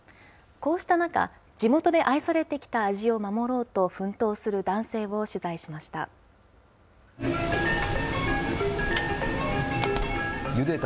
こうした中、地元で愛されてきた味を守ろうと奮闘する男性を取材しました。